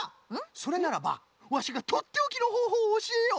それならばワシがとっておきのほうほうをおしえよう！